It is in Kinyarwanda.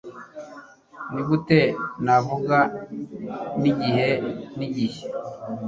nigute navuga nigihe nigihe